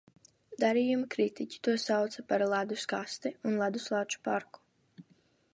"Darījuma kritiķi to sauca par "ledus kasti" un "leduslāču parku"."